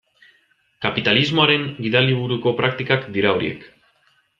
Kapitalismoaren gidaliburuko praktikak dira horiek.